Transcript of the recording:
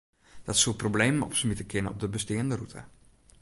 Dat soe problemen opsmite kinne op de besteande rûte.